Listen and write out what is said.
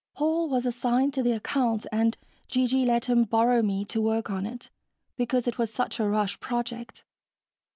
Paul was assigned to the account, and G.G. let him borrow me to work on it, because it was such a rush project.